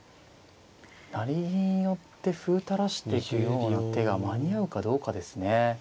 成銀寄って歩垂らしてくような手が間に合うかどうかですね。